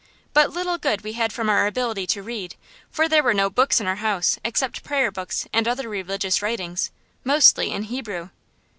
But little good we had from our ability to read, for there were no books in our house except prayer books and other religious writings, mostly in Hebrew.